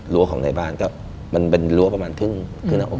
โร้วของในบ้านมันเป็นโร้วระมาณครึ่งนะออก